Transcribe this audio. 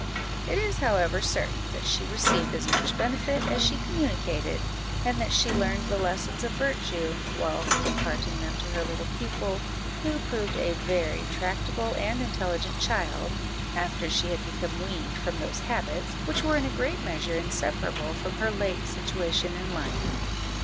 It is however certain, that she received as much benefit as she communicated, and that she learned the lessons of virtue whilst imparting them to her little pupil, who proved a very tractable and intelligent child, after she had become weaned from those habits which were in a great measure inseparable from her late situation in life.